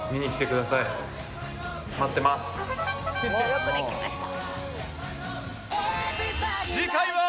「“よくできました”」